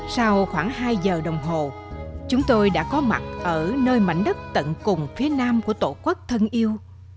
sau khoảng hai giờ đồng hồ chúng tôi đã có mặt ở nơi mảnh đất tận cùng phía nam của tổ quốc thân yêu